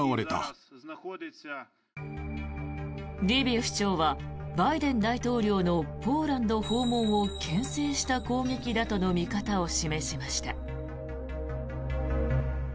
リビウ市長はバイデン大統領のポーランド訪問をけん制した攻撃だとの見方を示しました。